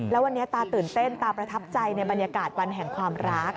แล้ววันนี้ตาตื่นเต้นตาประทับใจในบรรยากาศวันแห่งความรัก